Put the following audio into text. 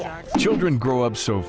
anak anak tumbuh dengan cepat